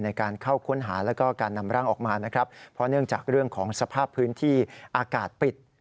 ในการเข้าค้นหาแล้วก็การนำร่างออกมานะครับเพราะเนื่องจากเรื่องของสภาพพื้นที่อากาศปิด